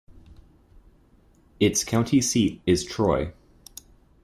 Its county seat is Troy.